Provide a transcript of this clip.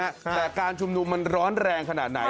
แต่การชุมนุมมันร้อนแรงขนาดไหน